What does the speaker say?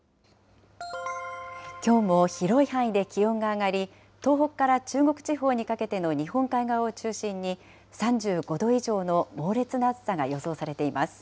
きょうも広い範囲で気温が上がり、東北から中国地方にかけての日本海側を中心に、３５度以上の猛烈な暑さが予想されています。